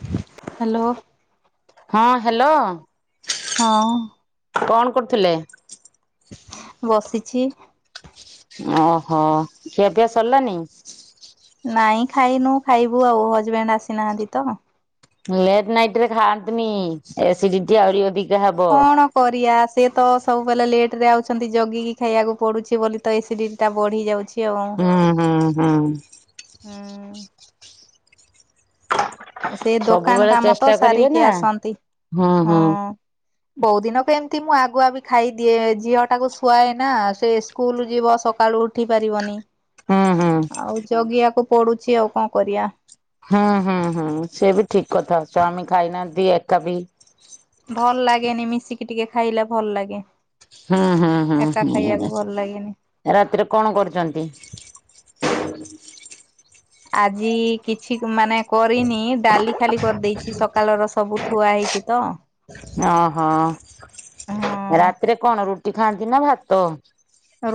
Hello. ହଁ hello. ହଁ। କଣ କରୁଥିଲେ? ବସିଛି। ଓହୋ ଖିଆ ପିଆ ସରିଲାନି? ନାଇଁ ଖାଇନୁ ଖାଇବୁ ଆଉ ହଜବେଣ୍ଡ ଆସିନାହାନ୍ତି ତ। ଲେଟ୍ ନାଇଟ ରେ ଖାଆନ୍ତୁନି, ଏସିଡିଟି ଆହୁରି ଅଧିକ କଣ? କରିବା ସେ ତ ସବୁବେଳେ ଲେଟ ରେ ଆଉଛନ୍ତି ଜଗିକି ଖାଇବାକୁ ପଡୁଛି ବୋଲି ତ ଏସିଡି ଟା ବଢ଼ି ଯାଉଛି ଆଉ। ହୁଁ ହୁଁ ହୁଁ। ହୁଁ। ସେ ଦୋକାନ ସବୁବେଳେ କାମ ତ ଚେଷ୍ଟା କରିବେ ସାରିକି ନା ଆସନ୍ତି ହୁଁ ହଁ। ହୁଁ। କୋଉ ଦିନକ ଏମତି ମୁଁ ଆଗୁଆ ବି ଖାଇଦିଏ ଝିଅ ଟାକୁ ଶୁଆଏ ନା ସେ ସ୍କୁଲ ଯିବ ସକାଳୁ ଉଠି ପାରିବନି। ହୁଁ ହୁଁ। ଆଉ ଜଗିବାକୁ ପଡୁଛି ଆଉ କଣ କରିବା। ହୁଁ ହୁଁ ହୁଁ ସେ ବି ଠିକ କଥା, ସ୍ୱାମୀ ଖାଇନାହାନ୍ତି ଏକା ବିି ଭଲ ଲାଗେନି ମିଶିକି ଟିକେ ଖାଇଲେ ଭଲ ଲାଗେ। ହୁଁ ହୁଁ ହୁଁ ଏକା ଖାଇବାକୁ ହୁଁ ଭଲ ଲାଗେନି। ରାତିରେ କଣ କରୁଛନ୍ତି? ଆଜି କିଛି ମାନେ କରିନି ଡାଲି ଖାଲି କରିଦେଇଛି, ସକାଳର ସବୁ ଥୁଆ ହେଇଛି ତ। ଓହୋ ହଁ ରାତିରେ କଣ ରୁଟି ଖାଆନ୍ତି ନା ଭାତ।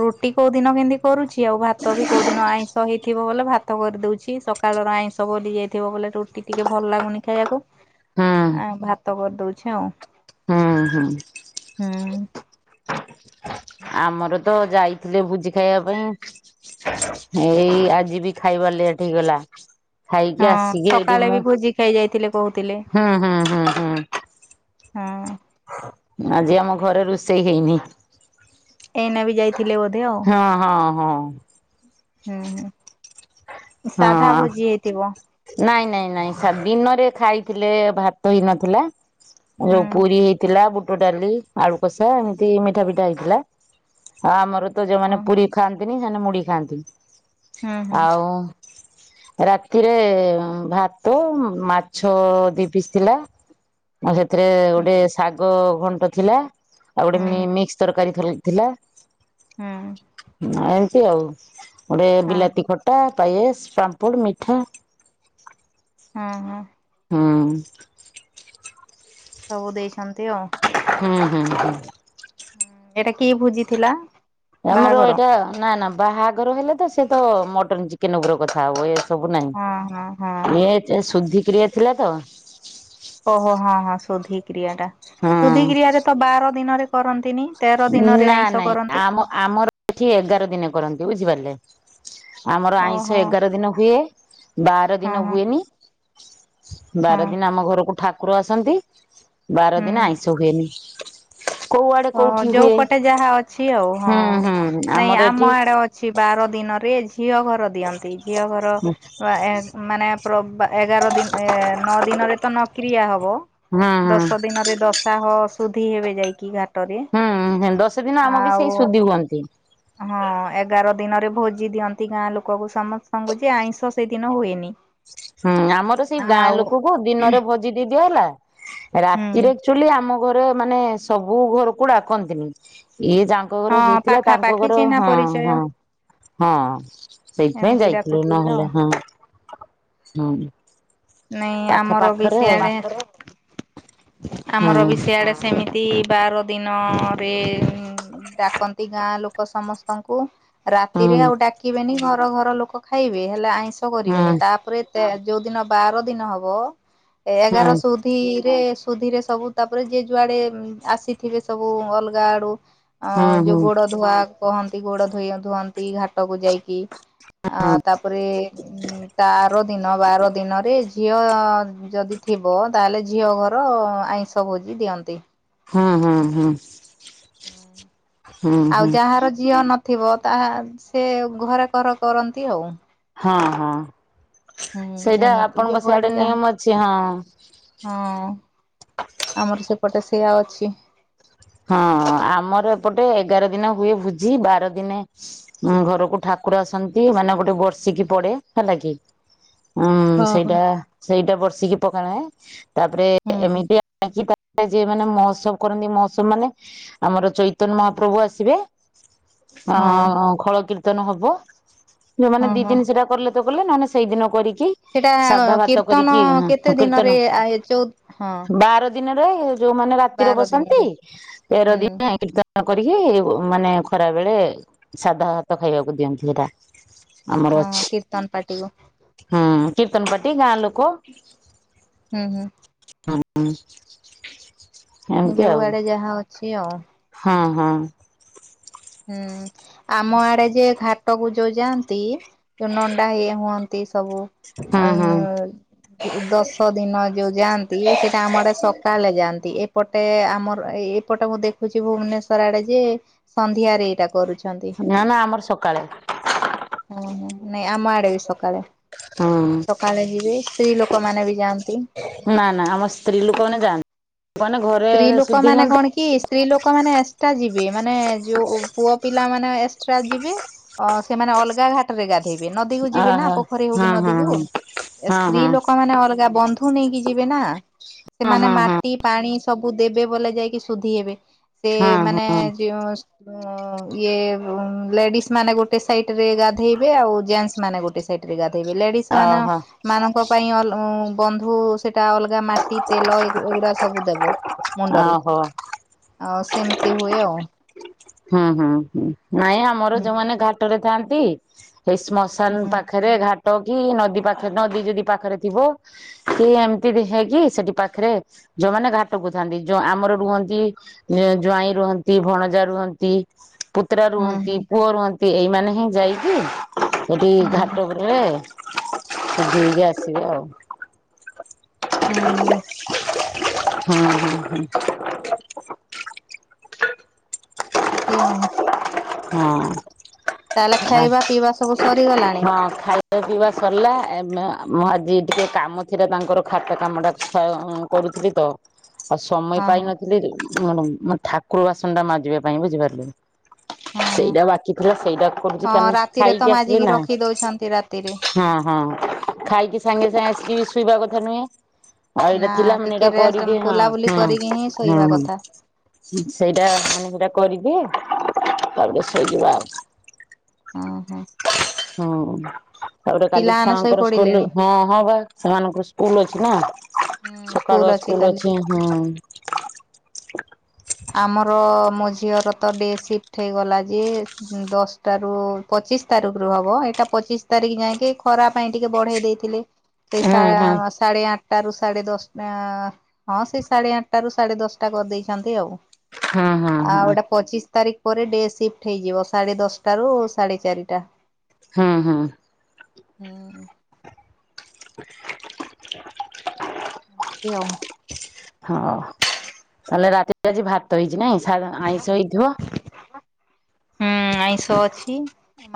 ରୁଟି କୋଉ ଦିନ କେମିତି କରୁଚି, ଆଉ ଭାତ ବି କୋଉ ଦିନ ଆଇଁଷ ହେଇଥିବ ବ ଭାତ କରିଦଉଛିକା ସକାଳର ଆଇଁଷ ବଲି ଯାଇଥିବ ବୋଲେ ରୁଟି ଟିକେ ଭଲ ଲାଗୁନି ଖାଇବାକୁ। ହୁଁ ହଁ ଭାତ କରିଦଉଛି ଆଉ। ହୁଁ ହୁଁ। ହୁଁ। ଆମର ତ ଯାଇଥିଲେ ଭୋଜି ଖାଇବା ପାଇଁ। ଏଇ ଆଜି ବି ଖାଇବାର ଲେଟ୍ ହେଇଗଲା। ଖାଇକି ହଁ ଆସିକି ଏଇଠି ସକାଳେ ବି ମୁଁ ଭୋଜି ଖାଇ ଯାଇଥିଲେ କହୁଥିଲେ ହୁଁ ହୁଁ ହୁଁ ହୁଁ। ହଁ। ଆଜି ଆମ ଘରେ ରୋଷେଇ ହେଇନି। ଏଇନାେ ବି ଯାଇଥିଲେ ବୋଧେ ଆଉ। ହଁ ହଁ ହଁ। ହୁଁ। ହଁ। ସାଧା ଭୋଜି ହେଇଥିବ ନାଇଁ ନାଇଁ ନାଇଁ ଦିନରେ ଖାଇଥିଲେ ଭାତ ହେଇ ନଥିଲା। ହୁଁ ଯୋଉ ପୁରୀ ହେଇଥିଲା ବୁଟ ଡାଲି ଆଳୁ କଷା ଏମିତି ମିଠା ପିଠା ହେଇଥିଲା। ଆଉ ଆମର ତ ଯୋଉମାନେ ହୁଁ ପୁରୀ ଖାଆନ୍ତିନି ସେମାନେ ମୁଢି ଖାଆନ୍ତି। ହୁଁ ହୁଁ ଆଉ ରାତିରେ ଭାତ ମାଛ ଦି ପିଶ୍ ଥିଲା ମୁଁ ସେ ଏଥିରେ ହୁଁ ଗୋଟେ ଶାଗ ଘଣ୍ଟ ଥିଲା ଆଉ ଗୋଟେ ହୁଁ ମିକ୍ସ ତରକାରୀ ଥି ଥିଲା। ହୁଁ। ନା ଏମିତି ଆଉ ଗୋଟେ ହଁ ବିଲାତି ଖଟା ପାଏସ ପାମ୍ପୁଡ ମିଠା। ହଁ ହଁ। ହୁଁ। ସବୁ ଦେଇଛନ୍ତି ଆଉ। ହୁଁ ହୁଁ ହୁଁ। ଏଇଟା କିଏ ଭୋଜିଥିଲା? ଆମର ଏଇଟା ନା ନା ବାହାଘର ହେଲେ ତ ସେ ତ ମଟନ ଚିକେନ ଉପର କଥା ହବ ଏଇ ସବୁ ହଁ ହଁ ହଁ ନାଇଁ ଏ ଯେ ଶୁଧିକ୍ରିୟା ଥିଲା ତ। ଓହୋ ହଁ ହଁ ଶୁଧିକ୍ରିୟାଟା ଶୁଧିକ୍ରିୟାରେ ତ ବାର ଦିନରେ କରନ୍ତିନି ତେର ଦିନରେ ନା ଆଇଁଷ ନାଇଁ କରନ୍ତି। ଆମ ଆମର ଏଠି ଏଗାର ଦିନେ କରନ୍ତି ବୁଝିପାରିଲେ ଆମର ଆଇଁଷ ଓହୋ ଏଗାର ଦିନ ହୁଏ। ବାର ହଁ ଦିନ ହଁ ହୁଏନି ହଁ ବାର ଦିନ ଆମ ଘରକୁ ଠାକୁର ଆସନ୍ତି। ବାର ହୁଁ ଦିନ ଆଇଁଷ ହୁଏନି କୋଉଆଡେ ହଁ ଯୋଉ ପଟେ ଯାହା ଅଛି ଆଉ ହୁଁ ହଁ ହୁଁ ନାଇଁ ଆମର ଏଠି ଆମ ଆଡେ ଅ ଛି ବାର ଦିନରେ ଝିଅ ଘର ଦିଅନ୍ତି ଝିଅ ଘର ହୁଁ ପା ଏ ମାନେ ପ୍ର ବା ଏଗାର ଦିନ ନଅ ଦିନରେ ନଅ କ୍ରିୟା ହବ। ଦଶ ହୁଁ ଦିନରେ ଦଶାହ ଶୁଦ୍ଧି ହେବେ ଯାଇକି ଗା ହୁଁ ହେଲ୍ ଦଶ ଦିନ ଆମ ବି ସେଇ ସୁଧି ହୁଅନ୍ତି। ହଁ ଏଗାର ଦିନରେ ଭୋଜି ଦିଅନ୍ତି ଗାଁ ଲୋକକୁ ସମସ୍ତଙ୍କୁ ଯେ ଆଇଁଷ ସେଦିନ ହୁଏନି। ହୁଁ ଆମର ସେଇ ଗାଁ ଆଉ ଲୋକକୁ ଦିନରେ ଭୋଜି ଦେଇଦିଅ ହେଲା ହୁଁ ରାତିରେ ଚୁଲି ଆମ ପରେ ମାନେ ସବୁ ଘରକୁ ଡାକନ୍ତିନି ଏଇ ଜା ଏଙ୍କ ଘର ହଁ ହେଇଥିଲା ତାଙ୍କ ପାଖାପାଖି ଘର ଚିହ୍ନା ହଁ ପରିଚୟ ହଁ ହଁ। ସେଇଥିପାଇଁ ଏମିତି ଯାଇଥିଲୁ ଡାକୁଥିବେ ନହେଲେ ଆଉ। ହଁ ହୁଁ। ନାଇଁ ଆମର ବି ଶେଣେ ଆମର ହୁଁ। ବି ସେଆଡେ ସେମିତି ବାର ଦିନରେ ଡାକନ୍ତି ଗାଁ ଲୋକ ସମସ୍ ତଙ୍କୁ ହୁଁ ରାତିରେ ଆଉ ଡାକିବେନି ଘର ଘର ଲୋକ ଖାଇବେ ହେଲେ ଆଇଁ ଇଁସ ହୁଁ କରିବେନି ତାପରେ ତେ ଯୋଉ ଦିନ ବାର ଦିନ ହବ ହୁଁ ଏଗାର ସୂ ଧୀରେ ସୁଧିରେ ସବୁ ତାପରେ ଯେ ଯୁଆଡେ ଆସିଥିବେ ସବୁ ଅଲଗା ଆଡୁ ଆଉ ହୁଁ ଯୋଉ ଗୋଡ ଧୁଆ କହନ୍ତି ଗୋଡ ଧୋଇ ଧୁଅନ୍ତି ଘାଟକୁ ଯାଇ କି ଆ ତାପରେ ତା ଆର ଦିନ ବାର ଦିନ ବି ଝିଅ ଯଦି ଥିବ ତାହେଲେ ଝିଅ ଘର ଆଇଁଷ ଭୋଜି ଦିଅନ୍ତି। ହଁ ହଁ ହଁ। ଆଉ ହୁଁ। ଯାହାର ଝିଅ ନଥିବ ତାହା ସେ ଘରେ କର କରନ୍ତି ଆଉ। ହଁ ହଁ ହୁଁ ସେଇଟା ଏମିତି ଆପଣଙ୍କ ଯୋଉଆଡେ ସେଆଡେ ଯାହା ନିୟମ ଅଛି ହଁ। ହଁ ଆମର ସେପଟେ ସେୟା ଅଛି। ହଁ ଆମର ଏପଟେ ଏଗାର ଦିନ ହୁଏ ଭୋଜି ବାର ଦିନେ ଉଁ ଘରକୁ ଠାକୁର ଆସନ୍ତି ମାନେ ଗୋଟେ ବର୍ଷିକି ପଡେ ହେଲା କି? ଉୁଁ ହଁ ହଁ। ସେଇଟା ସେଇଟା ବର୍ଷିକି ପକାଣେ ତାପରେ ହୁଁ ଏମିତି ଆ [unintelligible] ଯିଏ ମାନେ ମହୋତ୍ସବ କରନ୍ତି ମହୋତ୍ ସମାନେ ଆମର ଚୈତନ ମହାପ୍ରଭୁ ଆସିବେ ଅ ହଁ ଖୋଳ କୀର୍ ର୍ତ୍ତନ ହବ ଯୋଉମାନେ ହଁ ଦି ହଁ ଦିନ ସେଟା କଲେ ତ କଲେ ନହେନେ ସେଇ ଦିନ କରିକି ସେଟା ସାଧା ଭାତ କୀର୍ତ୍ତନ କରିକି ହ କେତେ ହ କୀର୍ତ୍ତନ ଦିନରେ ଆଏ ଯୋଉ ହଁ ବାର ଦିନରେ ଯୋଉମାନେ ରାତିରେ ବାର ବସନ୍ତି ଦିନରେ ତେର ହୁଁ ଦିନେ କୀର୍ତ ନ କରିକି ଉ ମାନେ ଖରା ବେଳେ ସାଧା ଭାତ ଖାଇବାକୁ ଦିଅନ୍ତି ସେଟା। ଆମର ହଁ ଅଛି। କୀର୍ତ୍ତନ ପାଟିକୁ ହୁଁ କୀର୍ତ୍ତନ ପାଟି ଗାଁ ଲୋକ ହୁଁ ହୁଁ। [inaudible] ଏମିତି ଆଉ ଯୋଉଆଡେ ଯାହା ଅଛି ଆଉ। ହଁ ହଁ। ହୁଁ ଆମ ଆଡେ ଯେ ଘାଟକୁ ଯୋଉ ଯାଆନ୍ତି ଯୋଉ ନଣ୍ଡା ହେଇ ହୁଅନ୍ତି ସବୁ ହୁଁ ହୁଁ ଆଉଁ ଦଶ ଦିନ ଯୋଉ ଯାଆନ୍ତି ସେଟା ଆମ ଆଡ଼େ ସକାଳେ ଯାଆନ୍ତି ଏ ପଟେ ଆମର ଏପଟେ ମୁଁ ଦେଖୁଛି ଭୁବନେଶ୍ଵର ଆଡେ ଯେ ସନ୍ଧ୍ୟାରେ ଏଇଟା କରୁଛି। ନା ନା ଆମର ସକାଳେ। ହୁଁ ହୁଁ ନାଇଁ ଆମ ଆଡେ ବି ସକାଳେ। ହୁଁ। ସକାଳେ ଯିବେ ସ୍ତ୍ରୀ ଲୋକମାନେ ବି ଯାଆନ୍ତି। ନା ନା ଆମ ସ୍ତ୍ରୀ ଲୋକମାନୋନେ ଯାଆନ୍ତି ମାନେ ଘରେ ସ୍ତ୍ରୀ ସୁଧି ଲୋକମାନେ କଣ ହୁଅନ୍ତି। କି ସ୍ତ୍ରୀଲୋକ ମାନେ ଏଷ୍ଟା ଯିବେ ମାନେ ଯୋଉ ପୁଅ ପିଲାମାନେ ଏକ୍ସଟ୍ରା ଯିବେ, ଅ ସେମାନେ ଅଲଗା ଘା ରେ ଗାଧୋଇବେ, ନଦୀ କୁ ଯିବେନା ଓହୋ ପୋଖରୀ ହଉ କିି ହଁ ହଁ ନଦୀକୁ ହଁ ଏ ହଁ ସ୍ତ୍ରୀ ହଁ। ଲୋକ ମାନେ ଅଲଗା ବନ୍ଧ ଠୁ ନେଇକି ଯିବେ ନା, ହଁ ସେମାନେ ହଁ ମାଟି ପାଣି ସବୁ ଦେବେ ବୋଲେ ଯାଇକି ଶୁଦ୍ଧି ହେବେ। ସେ ହଁ ହଁ ମାନେ ଯିଅ ଇଏ ଲେଡିସ୍ ମାନେ ଗୋଟେ ସାଇଟରେ ଗାଧେଇବେ, ଆଉ ଜେନ୍ସ ମାନେ ଗୋଟେ ସାଇଟ ରେ ଗାଧେଇବେ ଲେଡିସ୍ ହଁ ମାନ ଓହୋ ମାନଙ୍କ ପାଇଁ ବନ୍ଧୁ ସେଟା ଅଲଗା ମାଟି, ତେଲ ଏ ଏଗୁଡା ସବୁ ଦେବ ମୁଣ୍ଡରେ। ଓହୋ ଆଉ ସେମିତି ହୁଏ ଆଉ। ହୁଁ ହୁଁ, ନାଇଁ ଆମର ହୁଁ ଯୋଉମାନେ ଘାଟରେ ଥାଆନ୍ତି୍ ହେଇ ସ୍ମସ୍ ଶାନ ହୁଁ ପାଖରେ ଘାଟକି ନଦୀ ପାଖରେ ନଦୀ ଯଦି ପାଖରେ ଥିବ। ସେ ଏମିତି ଦେହେଇକି ସେଠି ପାଖରେ ଯୋଉମାନେ ଘାଟକୁଥାନ୍ତି ଯୋଉ ଆମର ରୁହନ୍ତି। ଜ୍ୱାଇଁ ରୁହନ୍ତି, ଭଣଜା ରୁହ ଏଇ ପୁତୁରା ହୁଁ ରୁହନ୍ତି, ହୁଁ ପୁଅ ରହନ୍ତି, ଏଇମାନେ ହି ଯାଇକି ସେଠି ହୁଁ ଘାଟ ହୁଁ ହୁଁ ଏମିତି [unintelligible] ହୁଁ ହୁଁ ହୁ। ସେ ଆଉଁ ହଁ। ତାହେଲେ ଖାଇବା ପିଇବା ସବୁ ସରିଗଲାଣି। ହଁ ଖାଇବା ପିଇବା ସରିଲା, ମୁଁ ଆଜି ଟିକେ କାମ ଥିଲା ତାଙ୍କର ଖାତା କାମଟା [unintelligible] କରୁଥିଲି ତ। ଆଉ ସମୟ ହଁ ହଁ ପାଇନଥିଲି, ମୋ ଠାକୁର ବାସନଟା ମାଜିବା ପାଇଁ ବୁଝିପାରିଲେ। ହଁ ହଁ ସେଇଟା ବାକିଥିଲା ସେଇଟାକୁ କରୁଛି ହଁ [unintelligible] ରାତିରେ ତ ଖାଇକି ଆସିକି ମାଜିକି ନା। ରଖି ଦଉଛନ୍ତି ରାତିରେ ହଁ ହଁ ଖାଇକି ସାଙ୍ଗେ ସାଙ୍ଗେ ଆସିକି ବି ଶୁଇବା କଥା ନୁହେଁ। ନା ଟିକେ ରେଷ୍ଟ ବୁଲାବୁଲି କରିକି ହିଁ ଶୋଇବା କଥା [unintelligible] ସେଇଟା ମାନେ ପୁରା କରିବି। ତାପରେ ଶୋଇଯିବା ଆଉ। ଓହୋ। ହୁଁ ତାପରେ କାଲି ପିଲାମାନେ ଶୋଇ ଛୁଆଙ୍କର ସ୍କୁଲ ପଡିଲେଣି ହୁଁ ହଁ ବା ସେମାନଙ୍କ ସ୍କୁଲ ଅଛି ନା, ସକାଳୁଆ ସ୍କୁଲ ଅଛି ହଁ। ଆମର ମୋ ଝିଅର ଡେ ସିଫ୍ଟ ହେଇଗଲା ଯେ ଦଶଟାରୁ ପଚିଶି ତାରିଖରୁ ହବ, ଏଇଟା ପଚିଶି ତାରିଖ ଯାଇଁକି ଖରା ପାଇଁ ଟିକେ ବଢେଇ ଦେଇ ଥିଲେ ସେ ସା ହଁ ସାଢେ ଆଠ ଆଠାଟାରୁ ସାଢେ ଦଶଟା ହଁ ସେ ସାଢେ ଆଠଟା ରୁ ସାଢେ ଦଶଟା କରିଦେଇଛନ୍ତି ଆଉ। ହଁ ହଁ ଆଉ ହଁ ଏଇଟା ପଚିଶ ତାରିଖ ପରେ ଡେ ସିଫ୍ଟ ହେଇଯିବ, ସାଢ଼େ ଦଶଟାରୁ ସାଢ଼େ ଚାରିଟା। ହୁଁ ହୁଁ। ଉଁ ହୁଁ। ନିଅ ହଁ ତା ହେଲେ ରାତିରେ ଆଜି ଭାତ ହେଇଛି ନାଇଁ, ସା ଆଇଁଷ ହେଇଥିବ? ହୁଁ ଆଇଁଷ ଅଛି,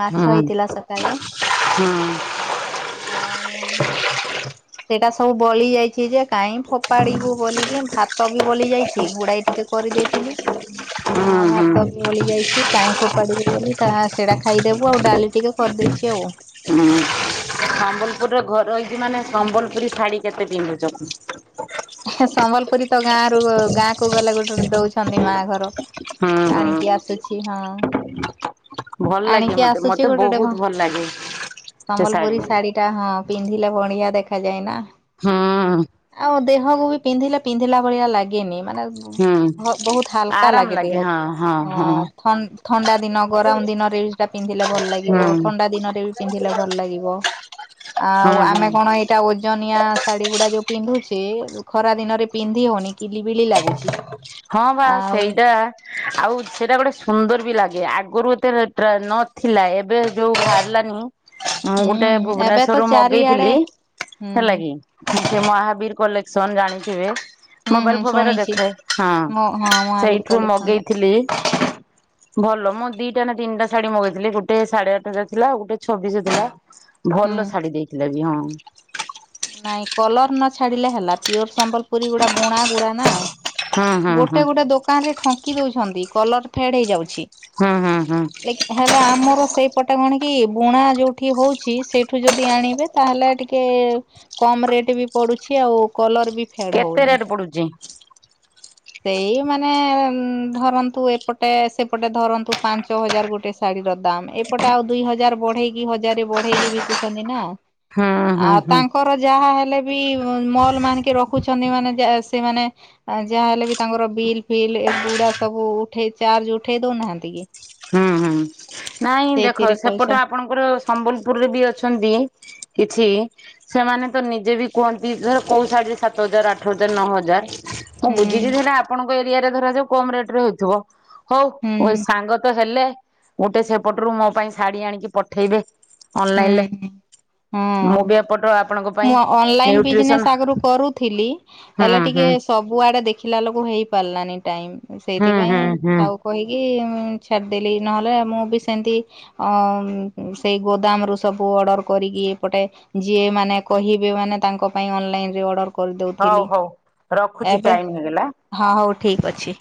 ମାଛ ହେଇଥିଲା ସକାଳେ। ହଁ। ଆଉ ସେଇଟା ସବୁ ବଳି ଯାଇଛିଯେ, କାଇଁ ଫୋପାଡିବୁ ବୋଲିକି ଭାତବି ବଲି ଯାଇଛି। ଏଗୁଡା ଟିକେ କରିଦେଇଥିଲି, ହୁଁ ଆଉ ହୁଁ ଭାତ ବି ବଲି ଯାଇଛି, କାହିଁ ଫୋପାଡିବୁ ବୋଲି ତା ସେଇଟା ଖାଇଦେବୁ ଆଉ ଡାଲି ଟିକେ କରିଦେଇଛି ଆଉ। ହୁଁ ସମ୍ବଲପୁରରେ ଘର ହେଇଚି ମାନେ ସମ୍ବଲପୁରୀ ଶାଢୀ କେତେ ପିନ୍ଧୁଚ? ସମ୍ବଲପୁରୀ ତ ଗାଁ ରୁ ଗାଁକୁ ଗଲେ ଗୋଟେଗୋଟେ ଦଉଚନ୍ତି ମା ଘର। ଆଣିକି ହୁଁ ଆସୁଛି, ହଁ। ଭଲ ଲାଗେ ଆଣିକି ମତେ ଆସୁଚି ମତେ ଗୋଟେ ଗୋଟେ ଭ ବହୁତ ଭଲ ଲାଗେ ସମ୍ବଲପୁରୀ ଶାଢୀ। ଟା ହଁ ପିନ୍ଧିଲେ ବଢିଆ ଦେଖାଯାଏ ନା, ହୁଁ ଆଉ ଦେହକୁ ବି ପିନ୍ଧିଲେ ପିନ୍ଧିଲା ଭଳିଆ ଲାଗେନି। ମାନେ ହୁଁ ଭ ବହୁତ ହାଲକା ଲାଗେ ଦେହରେ, ହଁ ଥନ ଥଣ୍ଡା ଦିନ ଗରମ ଦିନରେ ବି ସେଟା ପିନ୍ଧିଲେ ଭଲ ଲାଗିବ ହୁଁ ଥଣ୍ଡା ଦିନରେ ବି ପିନ୍ଧିଲେ ଭଲ ଲାଗିବ। ହଁ ଆଉ ଆମେ ହଁ କଣ ଏଇ ଟା ଓଜନିଆ ଶାଢୀ ଗୁଡା ଯୋଉ ପିନ୍ଧୁଚେ ଯୋଉ ଖରାଦିନରେ ପିନ୍ଧି ହଉନି କିଲିବିଲି ଲାଗୁଚି, ହଁ ବା ଆଉ ସେଇଟା ଆଉ ସେଟା ଗୋଟେ ସୁନ୍ଦର ବି ଲାଗେ ଆଗରୁ ଏତେ ଟ୍ର ନଥିଲା ଏବେ ଯୋଉ ବାହାରିଲାନି ମୁଁ ଗୋଟେ ହୁଁ ଏବେ ତ ଭୁବନେଶ୍ଵରରୁୁ ଚାରିଆଡେ ମଗେଇଥିଲି ହୁଁ ହେଲା କି? ସେ ମହାବୀର କଲେକ୍ସନ ଜାଣିଥିବେ? ହୁଁ ହୁଁ। ମୋବାଇରେ ଶୁଣିଛି ଦେଖାଏ, ହଁ ମୋ ହଁ ମହାବୀର ସେଇଠୁ କଲେକ୍ସନ ଟା ମଗେଇଥିଲି ଭଲ ମୁଁ ଦିଟା ନା ତିନିଟା ଶାଢୀ ମଗେଇଥିଲି ଗୋଟେ ସାଢେ ଆଠ ହଜାର ଥିଲା ଆଉ ଗୋଟେ ଛବିଶହ ଥିଲା। [inaudible] ଭଲ ଶାଢୀ ଦେଇଥିଲେ ବି ହଁ। ନାଇଁ କଲର ନ ଛାଡିଲେ ହେଲା ପିଓର ସମ୍ବଲପୁରୀ ଗୁଡା ବୁଣା ବୁଣା ନା। ହୁଁ ହୁଁ ହୁଁ ଗୋଟେ ଗୋଟେ ଦୋକାନ ରେ ଠଙ୍କି ଦଉଛନ୍ତି କଲର ଫେଡ ହେଇଯାଉଚି। ହୁଁ ହୁ଼ଁ ହୁଁ। ଲେକ୍ ହେଲା ଆମର ସେଇପଟେ କଣ କି ବୁଣା ଯୋଉଠି ହଉଚି ସେଇଠୁ ଯଦି ଆଣିବେ ତାହେଲେ ଟିକେ କମ ରେଟ୍ ବି ପଡୁଛି, ଆଉ କଲର ବି ଫେଡ ହଉନି। ରୁଜି ସେଇ ମାନେ ଧରନ୍ତୁ ଏପଟେ ସେପଟେ ଧରନ୍ତୁ ପାଞ୍ଚ ହଜାର ଗୋଟେ ଶ ଶାଢୀର ଦାମ୍ ଏପଟେ ଆଉ ଦୁଇ ହଜାର ବଢେଇକି ହଜାରରେ ବଢେଇକି ବିକୁୁଚନ୍ତି ନା। ହୁଁ ହୁଁ ଆଉ ହୁଁ। ତାଙ୍କର ଯାହା ହେଲେ ବି ମଲ ମାନକେ ରଖୁଚନ୍ତି ମାନେ ଯେ ସେମାନେ ଯାହା ହେଲେ ବି ତାଙ୍କର ବିଲ୍ ଫିଲ୍ ଏ ଗୁଡା ସବୁ ଉଠେଇ ଉଠେଇ ଦଉ ନାହାଁନ୍ତି କି? ହୁଁ ହୁଁ ନାଇଁ ଦେଖ ସେଇଥିରେ ପଇସା ସେପଟେ ଆପଣଙ୍କର ସମ୍ବଲପୁରରେ ବି ଅଛନ୍ତି କିଛି ସେମାନେ ତ ନିଜେ ବି କୁହନ୍ତି ଧର କୋଉ ଶାଢୀରେ ସାତ ହଜାର ଆଠ ହଜାର ନଅ ହଜାର। ମୁଁ ହୁଁ ବୁଝିଚି ସେଟା ଆପଣଙ୍କ ଏରିଆ ରେ ଧରାଯାଉ କମ୍ ରେଟ୍ ରେ ହେଇଥିବ ହଉ ହୁଁ ସାଙ୍ଗ ହେଲେ ଗୋଟେ ସେପଟରୁ ମୋ ପାଇଁ ଶାଢୀ ଆଣିକି ପଠେଇବେ ଅନଲାଇଲରେ। ହୁଁ ମୁଁ ଅନଲାଇନ ବିଜନେସ୍ ନ୍ୟୁଟ୍ରିସନ ଆଗରୁ କରୁଥିଲି ହୁଁ ହେଲେ ଟିକେ ହୁଁ ସବ୍ ବୁଆଡେ ଦେଖିଲା ଲୋକ ହେଇପାରିଲାନି ଟାଇମ୍ ହୁଁ ସେଇଥିପାଇଁ ହୁଁ ହୁଁ ଥାଉ। କହିକି ଉଁ ଛାଡ଼ିଦେଲି ନହେଲେ ମୁଁ ବି ସେମିତି ଅଂ ସେଇ ଗୋଦାମରୁ ସବୁ ଅର୍ଡ଼ର କରିକି ଏପଟେ ଯିଏ ମାନେ କହିବେ ମାନେ ତାଙ୍କ ପାଇଁ ଅନଲାଇନ ରେ ଅର୍ଡର ହଉ କରିଦଉଥିଲି ହଉ ରଖୁଛି ଏବେ ଟାଇମ ହେଇଗଲା। ହଁ ହଉ ଠିକ୍ ଅଛି।